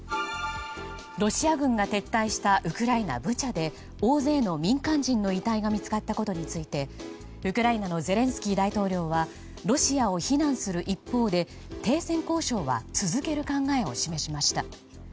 ロシア軍が撤退したウクライナ・ブチャで大勢の民間人の遺体が見つかったことについてウクライナのゼレンスキー大統領はロシアを非難する一方で停戦交渉は続ける考えを示しました。